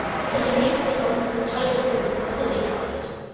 The division spent almost its entire service in the Soviet Far East.